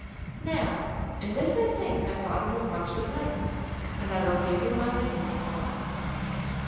_—— ——Now, in this I think my father was much to blame; and I will give you my reasons for it.